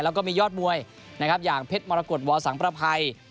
แล้วก็มียอดมวยนะครับอย่างเพชรมรกฏวอสังประภัย